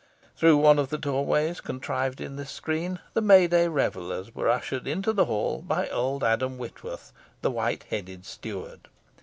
Through one of the doorways contrived in this screen, the May day revellers were ushered into the hall by old Adam Whitworth, the white headed steward.